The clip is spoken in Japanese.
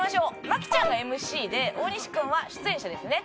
麻貴ちゃんがＭＣで大西君は出演者ですね。